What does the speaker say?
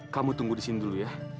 kamu tunggu disini dulu ya